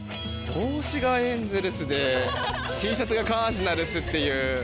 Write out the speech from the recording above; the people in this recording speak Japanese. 帽子がエンゼルスでＴシャツがカージナルス。